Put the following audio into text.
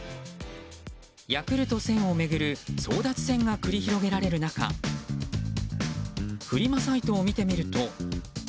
ヤクルト１０００を巡る争奪戦が繰り広げられる中フリマサイトを見てみると。